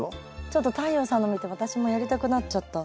ちょっと太陽さんの見て私もやりたくなっちゃった。